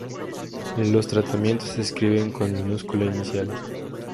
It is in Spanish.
Los tratamientos se escriben con minúscula inicial.